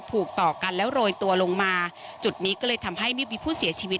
ถูกต่อกันแล้วโรยตัวลงมาจุดนี้ก็เลยทำให้ไม่มีผู้เสียชีวิต